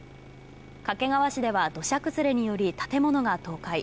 掛川市では、土砂崩れにより建物が倒壊。